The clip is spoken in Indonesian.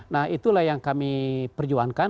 nah itulah yang kami perjuangkan